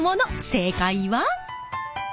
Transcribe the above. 正解は。